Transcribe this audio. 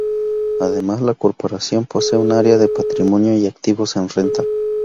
Además, la corporación posee un área de patrimonio y activos en renta.